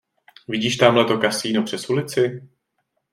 Vidíš támhleto kasino přes ulici?